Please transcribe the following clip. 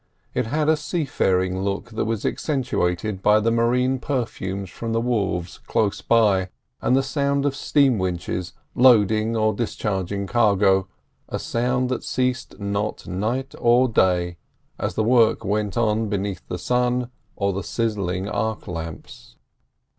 It had a seafaring look that was accentuated by the marine perfumes from the wharves close by and the sound of steam winches loading or discharging cargo—a sound that ceased not night or day as the work went on beneath the sun or the sizzling arc lamps.